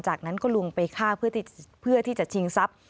จากนั้นก็ลุงไปฆ่าเพื่อที่จะชิงทรัพย์